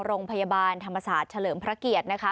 โรงพยาบาลธรรมศาสตร์เฉลิมพระเกียรตินะคะ